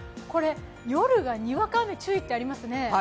夜がにわか雨注意ってありますね。